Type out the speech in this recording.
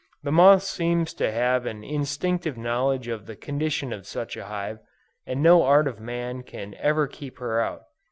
The moth seems to have an instinctive knowledge of the condition of such a hive, and no art of man can ever keep her out.